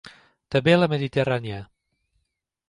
També a la Mediterrània.